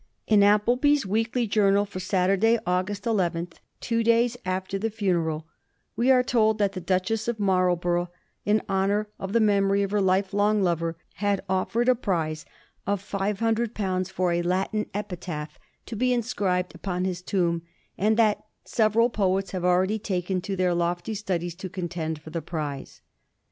In Applebee's ^Weekly Journal' for Saturday, August 11, two days after the funeral, we are told that the Duchess of Marlborough, in honour of the memory of her life long lover, had offered a prize of Digiti zed by Google 278 A HISTORY OF THE FOUR GEORGES, ch. mu five hundred pounds for a Latin epitaph to be in scribed upon his tomb, and that ' several poets have already taken to their lofty studies to contend for the prize.'